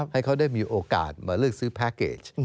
ให้เขาได้มีโอกาสมาเลือกซื้อแพ็คเกจ